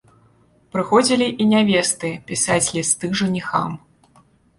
Прыходзілі і нявесты пісаць лісты жаніхам.